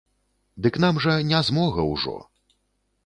Дык нам жа не змога ўжо.